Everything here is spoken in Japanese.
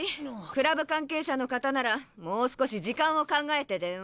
クラブ関係者の方ならもう少し時間を考えて電話を。